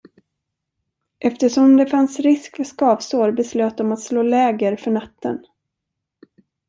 Eftersom det fanns risk för skavsår beslöt de att slå läger för natten.